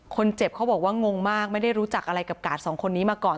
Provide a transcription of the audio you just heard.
คนเจ็บเขาบอกว่างงมากไม่ได้รู้จักอะไรกับกาดสองคนนี้มาก่อน